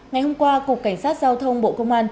ngày hôm qua cục cảnh sát giao thông bộ công an